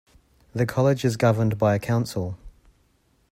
The College is governed by a council.